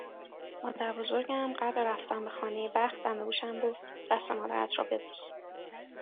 مادربزرگم قبل رفتن به خانهی بخت دم گوشم گفت: دست مادرت را ببوس